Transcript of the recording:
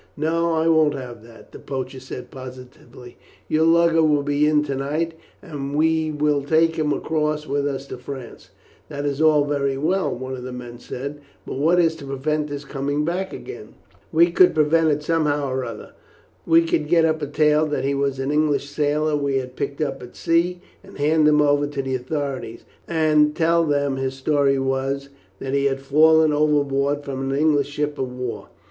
"No, I won't have that," the poacher said positively. "Your lugger will be in to night, and we will take him across with us to France." "That is all very well," one of the men said; "but what is to prevent his coming back again?" "We could prevent it somehow or other. We could get up a tale that he was an English sailor we had picked up at sea, and hand him over to the authorities, and tell them his story was, that he had fallen overboard from an English ship of war.